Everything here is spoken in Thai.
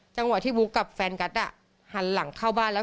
จังหวะที่บุ๊กกับแฟนกัสหันหลังเข้าบ้านแล้ว